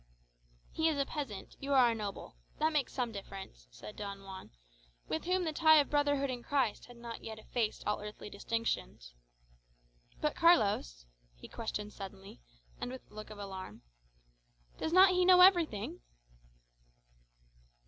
"He is a peasant, you are a noble that makes some difference," said Don Juan, with whom the tie of brotherhood in Christ had not yet effaced all earthly distinctions. "But Carlos," he questioned suddenly, and with a look of alarm, "does not he know everything?"